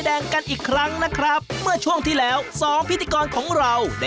อา้มไข่แดงแตกไปซะได้